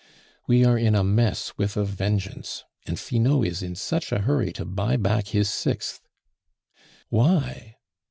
We are in a mess with a vengeance. And Finot is in such a hurry to buy back his sixth " "Why?"